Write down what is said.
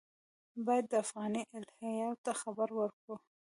باید د افغاني الهیاتو خبره وکړو.